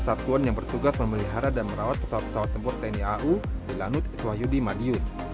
satuan yang bertugas memelihara dan merawat pesawat pesawat tempur tni au di lanut iswah yudi madiun